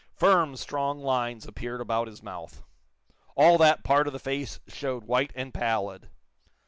Firm, strong lines appeared about his mouth. All that part of the face showed white and pallid.